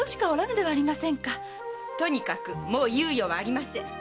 とにかくもう猶予はありません。